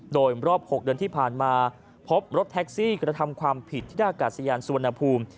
โดยรอบ๖เดือนที่ผ่านมาพบรถแท็กซี่กระทำความผิดที่หน้ากาศยานสุวรรณภูมิ